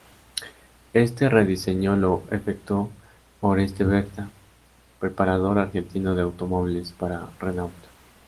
Este rediseño lo efectuó Oreste Berta, preparador argentino de automóviles, para Renault.